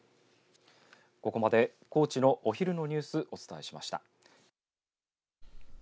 ここまで、高知のお昼のニュースお伝えしました。